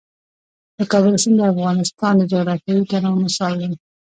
د کابل سیند د افغانستان د جغرافیوي تنوع مثال دی.